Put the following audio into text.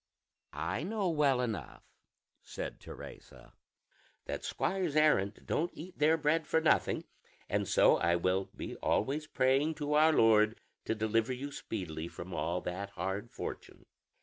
"I know well enough, husband," said Teresa, "that squires errant don't eat their bread for nothing, and so I will be always praying to our Lord to deliver you speedily from all that hard fortune."